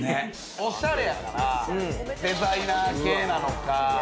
おしゃれやからデザイナー系なのか。